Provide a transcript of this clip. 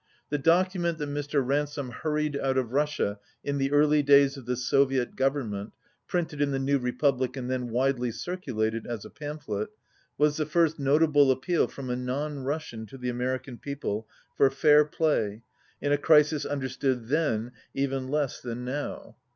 The document that Mr. Ransome hurried out of Russia in the early days of the Soviet government (printed in the New Republic and then widely circulated as a pamphlet), was the first notable appeal from a non Russian to the American people for fair play in a crisis understood then even less than now.